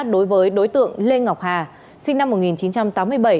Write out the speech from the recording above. đối với đối tượng lê ngọc hà sinh năm một nghìn chín trăm tám mươi bảy